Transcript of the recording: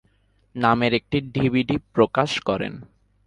নামের একটি ডিভিডি প্রকাশ করেন।